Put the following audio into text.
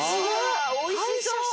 ・おいしそう。